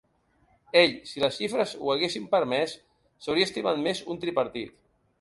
Ell, si les xifres ho haguessin permès, s’hauria estimat més un tripartit.